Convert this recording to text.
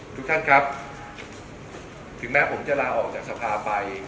ทุกท่านครับถึงแม้ผมจะลาออกจากสภาไป